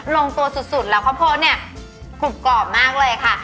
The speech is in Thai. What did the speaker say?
ลงตัวสุดแล้วข้าวโพดเนี่ยกรุบกรอบมากเลยค่ะ